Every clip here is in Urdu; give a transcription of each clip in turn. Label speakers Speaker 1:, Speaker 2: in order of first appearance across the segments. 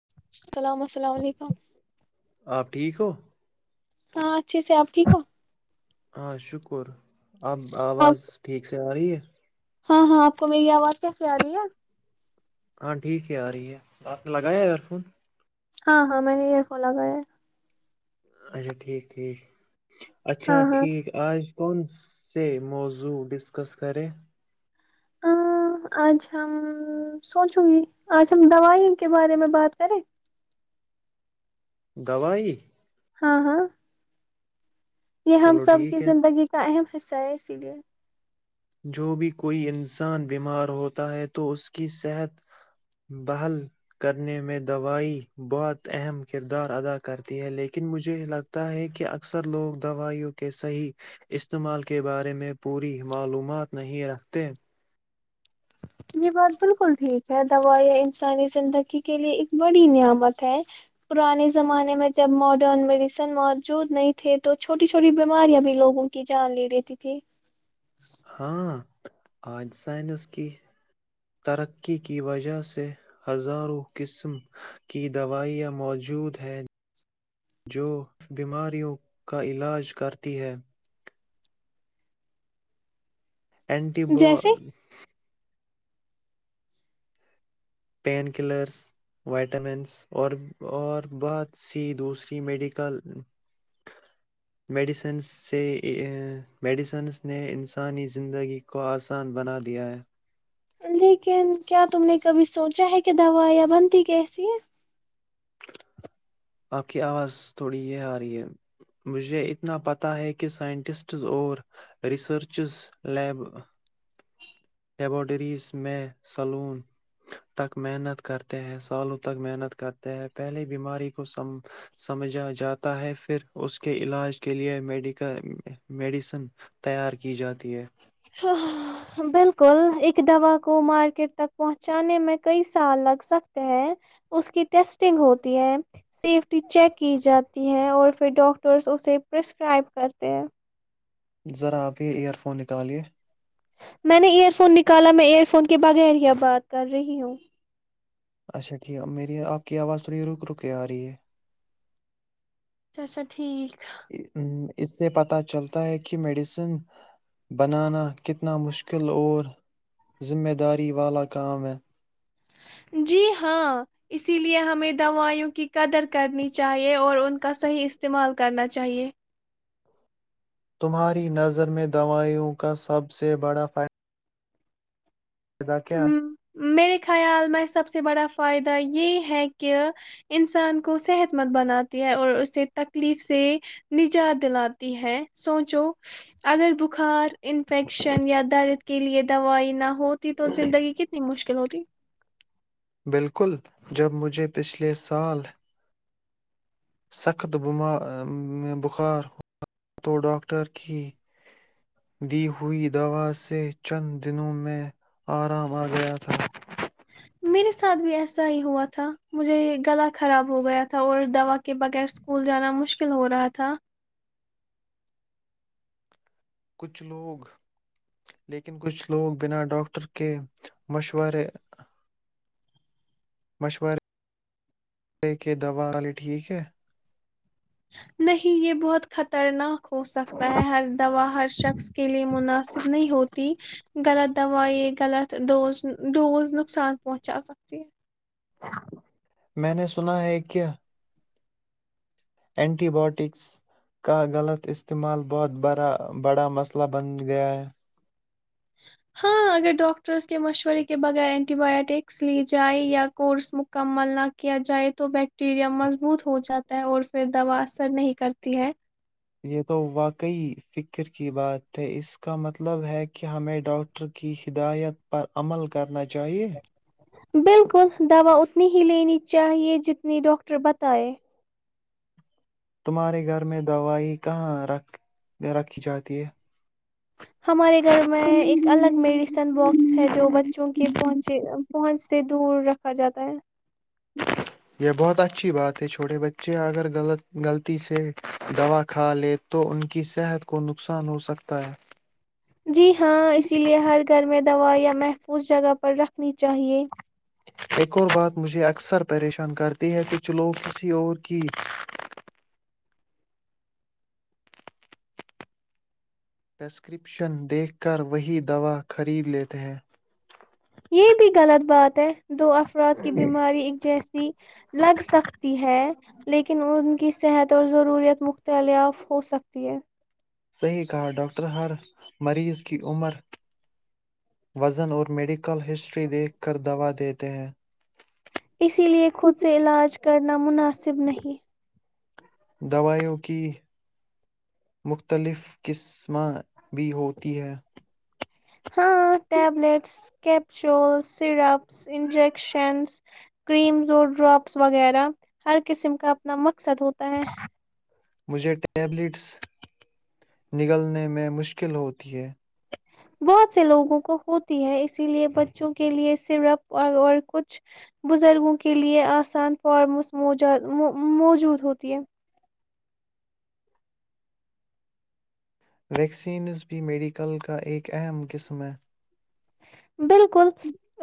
Speaker 1: [inaudible] السلام السلام علیکم۔
Speaker 2: آپ ٹھیک ہو
Speaker 1: کہاں اچھے سے آپ ٹھیک ہو
Speaker 2: ہ شکر ا
Speaker 1: آپ
Speaker 2: آواز ٹھیک تیار ہی ہے
Speaker 1: ہاں ہاں آپ کو میری آواز کیس آ رہی ہے
Speaker 2: ہاں ٹھیک ہے آ رہی ہے آپ نے لگایا ایئر فون
Speaker 1: ہاں ہاں میں نے یہئر فال کر ہے [unintelligible]
Speaker 2: اچھا ٹھیک ٹھیک اچھا
Speaker 1: ہاں ہاں
Speaker 2: ٹھیک آج کون سے موضوع ڈسکس کریں
Speaker 1: ہ آج ہم سوچوں گی آج ہم دوائی کے بارے میں بات کریں
Speaker 2: دوواائی
Speaker 1: ہاں ہاں یہ ہم
Speaker 2: چلو
Speaker 1: سب کی
Speaker 2: ٹھیک ہے
Speaker 1: زندگی کا اہم س ہے اسی لیے
Speaker 2: جو بھی کوئی انسان بیمار ہوتا ہے تو اس کی صحت بحل کرنے میں دوائی بہت اہم کردار ادا کرتی ہے لیکن مجھے لگتا ہے کہ اکثر لوگ دوائیوں کے صحیح استعمال کے بارے میں پوری معلوم ات نہیں رکھتے
Speaker 1: یہ بات بالکل ٹھیک ہے دوائیا انسانی زندگی کے لیے ایک بڑی نعمت ہے پرانے زمانے میں جب ماڈرن میڈیسن موجود نہیں تھے تو چھوٹی چھوٹی بیماریاں بھی لوگوں کی جان لے لیتی تھی
Speaker 2: ہاں آج سائنس کی ترقی کی وجہ سے ہزاروں قسم کی دوائیاں موجود ہیں جو بیماریوں کا علاج کرتی ہیں اینٹی ب
Speaker 1: جیسے
Speaker 2: پین کلرس وائٹامنس اور اور بہت سی دوسری میڈیکل میڈیسنس سے میڈیسنس نے انسانی زندگی کو آسان بنا دیا ہے
Speaker 1: لیکن کیا تم نے کبھی سوچ چاہے کے دوا یا بنتی کی ایسی ہے
Speaker 2: آپ کی آواز تھوڑی یہ آ رہی ہے مجھے اتنا پتہ ہے کہ سائنٹسٹز اور ریسرچز لیب لیبورٹریز میں سلون تک محنت کرتے ہیں سالوں تک محنت کرتے ہے پہلے بیماری کوم سمجھا جاتا ہے پھر اس کے علاج کے لیے میڈیکل میڈیسن تیار کی جاتی ہے
Speaker 1: ہ بالکل ایک دوا کو مارکیٹ تک پہنچانے میں کئی سال لگ سکتے ہیں اس کی ٹیسٹنگ ہوتی ہے سیفٹی چیک کی جاتی ہے اور پھر ڈاکٹرس اسے پرسکرائب کرتے ہیں
Speaker 2: ذرا آپ ہی ایئر فون نکالے
Speaker 1: میں نے ائر فون نکالا میں ار فون کے بغیر ہی بات کرہی ہوں
Speaker 2: اچھا ٹھیک ہے میری آپ کی آواز تھوڑی رک رک آ رہی ہے
Speaker 1: اچھا اچھا ٹھیک
Speaker 2: اسے پتہ چلتا ہے کہ میڈیسن بنانا کتنا مشکل اور ذمہ داری والا کام ہے
Speaker 1: جی ہاں اسی لیے ہمیں دوائیوں کی قدر کرنی چاہیے اور ان کا صحیح استعمال کرنا چاہیئے
Speaker 2: تمہاری نظر میں دوائیوں کا سب سے بڑا فائدہ ادا کیا؟ [inaudible]
Speaker 1: م، میرے خیال میں سب سے بڑا فائدہ یہ ہے کہ انسان کو صحت مند بناتی ہے اور اسے تکلیف سے نجات دلاتی ہے سوچو اگر بخار انفیکشن یا درد کے لیے دوائی نہ ہوتی تو زندگی کتنی مشکل ہوتی [inaudible]
Speaker 2: بالکل جب مجھے پچھلے سال سخت میں بخار تو ڈاکٹر کی دی ہوئی دوا سے چند دنوں میں آرام آ گیا تھا
Speaker 1: میرے ساتھ بھی ایسا ہی ہوا تھا مجھے گلا خراب ہو گیا تھا اور دوا کے بغیر اسکول جانا مشکل ہو رہا تھا
Speaker 2: کچھ لوگ لیکن کچھ لوگ بنا ڈاکٹر کے مشورے مشورےے کہ دوا والے ٹھیک ہے [inaudible]
Speaker 1: نہیں یہ بہت خطرناک کھو سکتا ہے ہر دوا ہر شخص کے لیے مناسب نہیں ہوتی غلط دووائ غلط ڈوز ڈوز نقصان پہنچ آ سکتی ہے
Speaker 2: میں نے سنا ہے کیا [inaudible] اینٹی باائیوٹکس کا غلط استعمال بہت بڑا مسئلہ بن گیا ہے
Speaker 1: ہاں اگر ڈاکٹرس کے مشورے کے بغیر اینٹی بایوٹکس لی جائے یا کورس مکمل نہ کیا جائے تو بیکٹیریا مضبوط ہو جاتا ہے اور پھر دوا اثر نہیں کرتی ہے
Speaker 2: یہ تو واقعی فکر کی بات ہے اس کا مطلب ہے کہ ہمیں ڈاکٹر کی ہدایت پر عمل کرنا چاہ
Speaker 1: بالکل دوا ا [inaudible] اتنی ہی لینی چاہیے جتنی ڈاکٹر بتائے
Speaker 2: تمہارے گھر میں دوائی کہاں رکھی جاتی ہے؟
Speaker 1: ہمارے گھر میں ایک الگ میڈیسن باکس ہے جو بچوں کے پہنچے پہنچ سے دور رکھا جاتا ہے
Speaker 2: یہ بہت اچھی بات ہے چھوٹے بچے اگرغ غلطی سے دوا کھا لے تو ان کی صحت کو نقصان ہوسکتا ہے
Speaker 1: جی ہاں اسی لیئے ہر گھر میں دوا یا محفوظ جگہ پر رکھنی چاہیئے
Speaker 2: ایک اور بات مجھے اکثر پریشان کرتی ہے کہ چلو کسی اور کی پرسکرپشن دیکھ کر وہی دوا خرید لیتے ہیں
Speaker 1: یہ بھی غلط بات ہے دو افراد کی بیماری ایک جیسی لگ سکتی ہے لیکن ان کی صحت اور ضروریات مختلاف ہو سکتی ہے
Speaker 2: صحیح کہا ڈاکٹر ہر مریض کی عمر وزن اور میڈیکل ل ہسٹری دیکھ کر دوا دےتے تے ہیں [inaudible]
Speaker 1: اسی لیے خود سے علاج کرنا مناسب مناصب نہیں
Speaker 2: دوائیوں کی مختلف قسماں بھی ہوتی ہے
Speaker 1: ہاں tablets capsule syrups injections creams اور ڈراپس وغیرہ ہر قسم کا اپنا مقصد ہوتا ہے
Speaker 2: مجھے ٹیبلٹس نگلنے میں مشکل ہوتی ہے
Speaker 1: بہت سے لوگوں کو ہوتی ہے اسی لیے بچوں کے لیے صرپ اور کچھ بزرگوں کے لیے آسان فارمس مو موجود ہوتی ہے
Speaker 2: ویکسینز بھی میڈیکل کا ایک اہم قسم ہے
Speaker 1: بالکل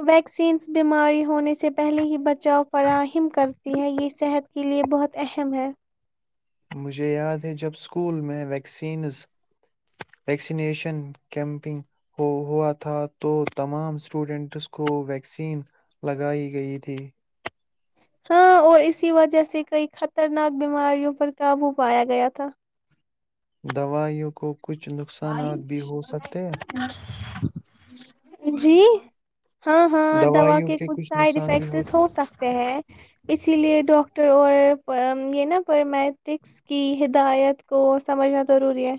Speaker 1: ویکسینز بیماری ہونے سے پہلے ہی بچاؤ فراہم کرتی ہے یہ صحت کی لیے بہت اہم ہے
Speaker 2: مجھے یاد ہے جب سکول میں ویکسینز ویکسینیشن کیمپنگ ہوا تھا تو تمام سٹوڈنٹس کو ویکسین لگائی گئی تھی
Speaker 1: ہاں اور اسی وجہ سے کئی خطرناک بیماریوں پر قابو پایا گیا تھا
Speaker 2: دوائیوں کو کچھ نقصانات بھی ہو سکتے ہیں
Speaker 1: جی ہاں ہاں دوا کے کچھ سائڈ افیکٹ ہو سکتے ہیں اس اسی لیے ڈاکٹر اور یہ نا پیرمیٹرکس کی ہدایت کو سمجھنا ضروری ہے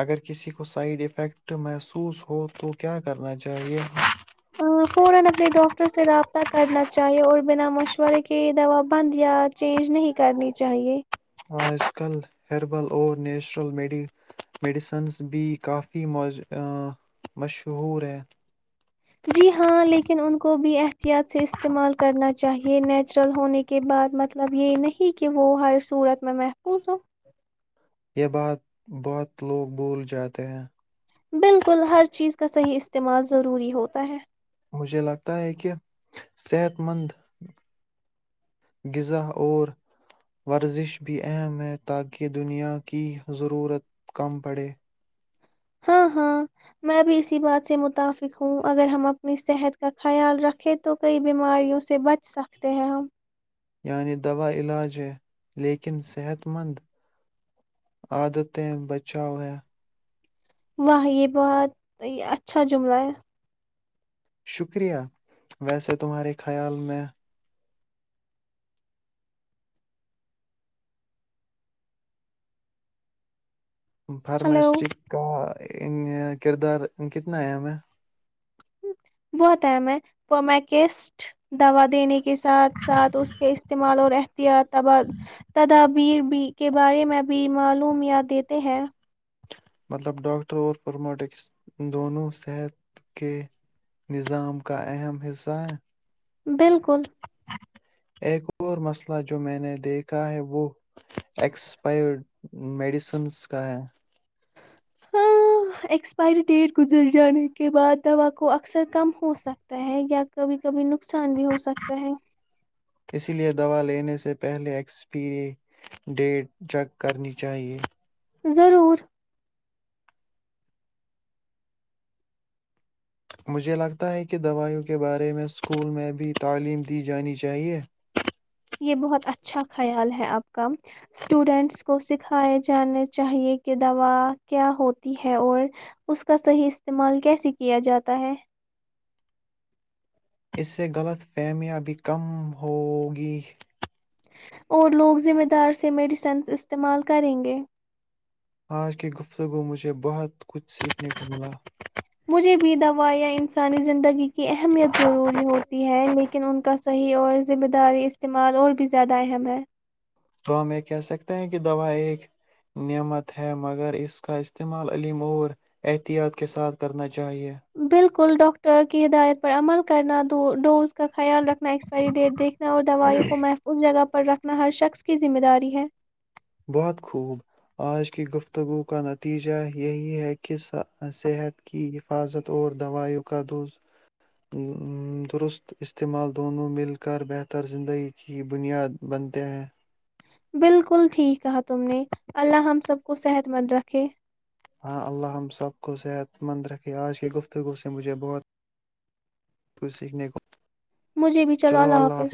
Speaker 2: اگر کسی کو سائڈ افیکٹ محسوس ہو تو کیا کرنا چاہیے
Speaker 1: فورن اپنے ڈاکٹر سے رابطہ کرنا چاہیے اور بنا مشورے کے دوا بند یا چینج نہیں کرنی چاہیے
Speaker 2: آج کل ہیربل اور نیچرل میڈی میڈیسنز بھی کافی موج مشہور ہیں
Speaker 1: جی ہاں لیکن ان کو بھی احتیاط سے استعمال کرنا چاہیئے نیچرل ہونے کے بعد مطلب یہ نہیں کہ وہ ہر صورت میں محفوظ ہوں
Speaker 2: یہ بات بہت لوگ بھول جاتے ہیں
Speaker 1: بالکل ہر چیز کا صحیح استعمال ضروری ہوتا ہے
Speaker 2: مجھے لگتا ہے کہ صحت مند غذا اور ورزش بھی اہم ہے تاکہ دنیا کی ضرورت کم پڑے
Speaker 1: ہاں ہاں میں بھی اسی بات سے متفق ہوں اگر ہم اپنی صحت کا خیال رکھے تو کئی بیماریوں سے بچ سکتے ہیں ہم
Speaker 2: یعنی دوا علاج ہے لیکن صحت مند عادتیں بچاؤ ہیں
Speaker 1: واہ یہ بہت اچھا جملہ ہے
Speaker 2: شکریہ ویسے تمہارے خیال میں فارمسٹ
Speaker 1: ہلو
Speaker 2: کا کردار کتنا ہے ہمیں
Speaker 1: بہت اہم ہے فرماکسٹ دوا دینے ساتھ ساتھ اس کے استعمال اور احتیاط تبد تدب بییر بی کے بارے میں بھی معلومیات دیتے ہیں
Speaker 2: مطلب ڈاکٹر اور پرموٹکس دونوں صحت کے نظام کا اہم حصہ ہیں
Speaker 1: بالکل
Speaker 2: ایک اور مسئلہ جو میں نے دیکھا ہے وہ ایکسپائرڈ میڈیسنز کا ہے
Speaker 1: ہاں ایکسپائری ڈیٹ گزر جانے کے بعد دوا کو اکثر کم ہو سکتا ہے یا کبھی کبھی نقصان بھی ہو سکتا ہے
Speaker 2: اس لیے دوا لینے سے پہلے ایکسپیری ڈیٹ چیک کرنی چاہیئے
Speaker 1: ضرور
Speaker 2: مجھے لگتا ہے کہ دوائیوں کے بارے میں سکول میں بھی تعلیم دی جانی چاہیے
Speaker 1: یہ بہت اچھا خیال ہے اپ کام سٹوڈنٹس کو سکھائے جانے چاہیے کہ دوا کیا ہوتی ہے اور اس کا صحیح استعمال کیسے کیا جاتا ہے
Speaker 2: اس سے غلط فہمیاں بھی کم ہو گی
Speaker 1: اور لوگ ذمہ دار سے میڈیسن استعمال کریں گے
Speaker 2: آج کی گفتگو مجھے بہت کچھ سیکھنے کو ملا
Speaker 1: مجھے بھی دوا یا انسانی زندگی اہمیت ضروری ہوتی ہے لیکن ان کا صحیح اور ذمہ داری استعمال اور بھی زیادہ اہم ہے
Speaker 2: تو ہم یہ کہہ سکتے ہیں کہ دوا ایک نعمت ہے مگر اس کا استعمال علیم اور احتیاط کے ساتھ کرنا چاہیے
Speaker 1: کل ڈاکٹر کی ہدایت پر عمل کرنا دو ڈوز کا خیال رکھنا ایکسپائری ڈیٹ دیکھنا اور دوائیوں کو محفظ جگہ پر رکھنا ہر شخص کی ذمہ داری ہے
Speaker 2: بہت خوب آج کی گفتگو کا نتیجہ یہی ہے کہ صحت کی حفاظت اور دوائیوں کا د درست استعمال دونوں مل کر بہتر زندگی کی بنیاد بنتے ہیں
Speaker 1: بالکل ٹھیک کہا تم نے اللہ ہم سب کو صحت مند رکھے
Speaker 2: ہاں اللہ ہم سب کو صحت مند رکھے آج کی گفتگو سے مجھے بہتچ سیکھنے کو
Speaker 1: مجھے بھی چلو اللہ حافظ